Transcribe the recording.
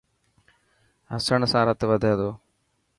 هسڻ سان رت وڌي تو.